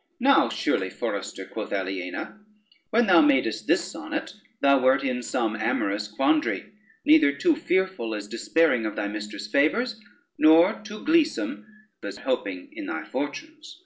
] "Now, surely, forester," quoth Aliena, "when thou madest this sonnet, thou wert in some amorous quandary, neither too fearful as despairing of thy mistress' favors, nor too gleesome as hoping in thy fortunes."